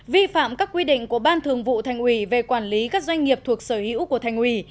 vi phạm các quy định của ban thường vụ thành ủy về quản lý các doanh nghiệp thuộc sở hữu của thành ủy